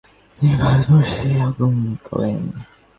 তিনি ভারতবর্ষে আগমন করেন।